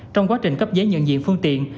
trong quá trình cấp giấy nhận diện phương tiện